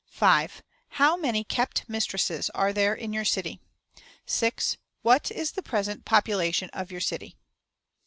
"5. How many kept mistresses are there in your city? "6. What is the present population of your city?